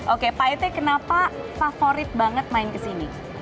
oke pak ite kenapa favorit banget main ke sini